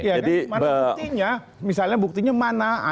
ya kan mana buktinya misalnya buktinya mana ada nggak